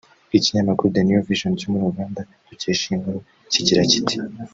Ikinyamakuru The new vision cyo muri Uganda dukesha iyi nkuru kigira kiti